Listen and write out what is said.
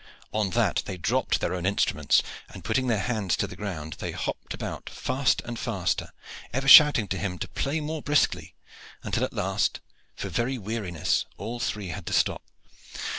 On that they dropped their own instruments, and putting their hands to the ground they hopped about faster and faster, ever shouting to him to play more briskly, until at last for very weariness all three had to stop.